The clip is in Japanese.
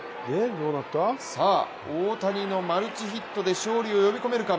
大谷のマルチヒットで勝利を呼び込めるか。